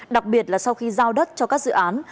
đặc biệt là sau khi giao đất cho các dự án